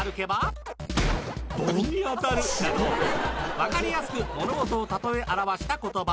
わかりやすく物事をたとえ表した言葉